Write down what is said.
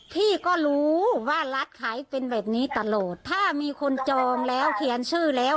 พี่ก็รู้ว่าร้านขายเป็นแบบนี้ตลอดถ้ามีคนจองแล้วเขียนชื่อแล้ว